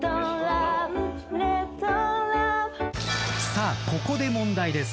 さあここで問題です。